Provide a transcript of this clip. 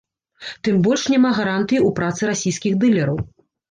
Тым больш няма гарантыі ў працы расійскіх дылераў.